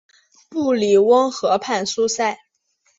布里翁河畔苏塞。